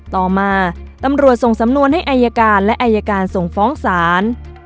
ต่อมาตำรวจส่งสำนวนให้อายการและอายการส่งฟ้องศาล